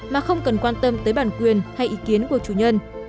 mà không cần quan tâm tới bản quyền hay ý kiến của chủ nhân